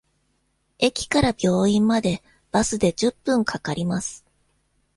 駅から病院までバスで十分かかります。